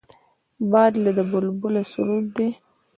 باد د بلبله سرود دی